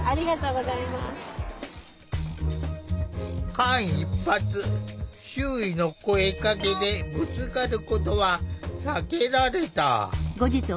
間一髪周囲の声かけでぶつかることは避けられた。